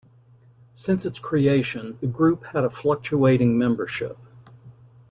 Since its creation, the group had a fluctuating membership.